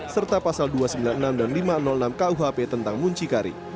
serta pasal dua ratus sembilan puluh enam dan lima ratus enam kuhp tentang muncikari